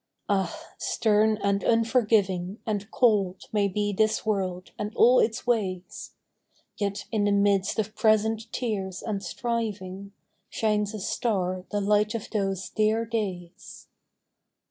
Ah ! stern and unforgiving And cold may be this world and all its ways ; Yet in the midst of present tears and striving Shines like a star the light of those dear days.